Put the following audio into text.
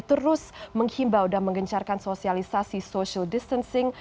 terus menghimbau dan menggencarkan sosialisasi social distancing